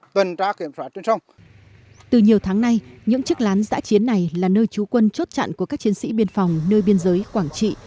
từ nhiều tháng nay những chiếc lán giã chiến này là nơi trú quân chốt chặn của các chiến sĩ biên phòng nơi biên giới quảng trị